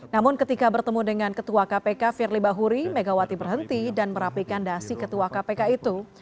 namun ketika bertemu dengan ketua kpk firly bahuri megawati berhenti dan merapikan dasi ketua kpk itu